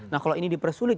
nah kalau ini dipersulit